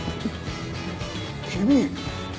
君。